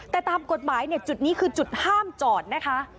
แต่ตามกฎหมายจุดนี้คือจุดห้ามจอดนะคะ